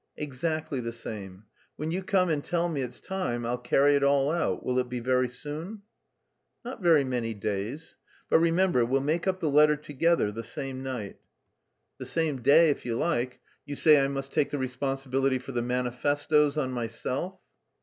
"Exactly the same. When you come and tell me it's time, I'll carry it all out. Will it be very soon?" "Not very many days.... But remember, we'll make up the letter together, the same night." "The same day if you like. You say I must take the responsibility for the manifestoes on myself?"